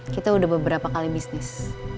kita udah beberapa kali bisnis